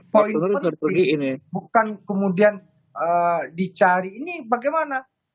poin seperti ini bukan kemudian dicari ini bagaimana